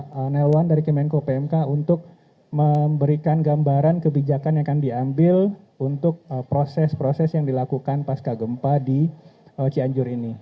pak nelwan dari kemenko pmk untuk memberikan gambaran kebijakan yang akan diambil untuk proses proses yang dilakukan pasca gempa di cianjur ini